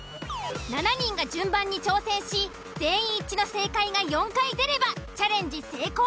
７人が順番に挑戦し全員一致の正解が４回出ればチャレンジ成功